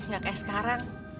gak kayak sekarang